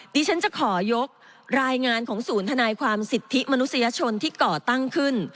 ดิฉันจะขอยกรายงานของศูนย์ธนายความสิทธิมนุษยชนที่ก่อตั้งขึ้น